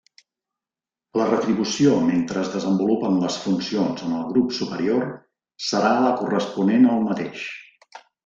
La retribució mentre es desenvolupen les funcions en el grup superior serà la corresponent al mateix.